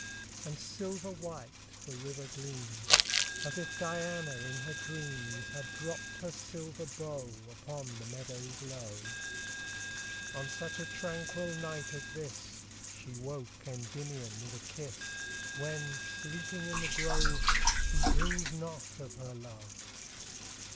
And silver white the river gleams, As if Diana, in her dreams, Had dropt her silver bow Upon the meadows low. On such a tranquil night as this, She woke Endymion with a kiss, When, sleeping in the grove, He dreamed not of her love.